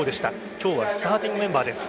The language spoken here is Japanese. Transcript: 今日はスターティングメンバーです。